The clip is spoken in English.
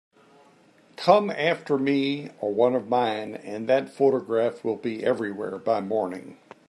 Come after me or one of mine, and that photograph will be everywhere by morning.